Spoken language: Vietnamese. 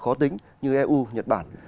khó tính như eu nhật bản